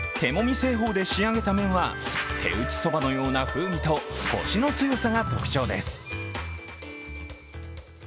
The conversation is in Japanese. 製法で仕上げた麺は手打ちそばのような風味とコシの強さが特徴です。